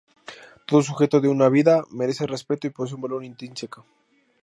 Todo "sujeto de una vida" merece respeto y posee un valor intrínseco.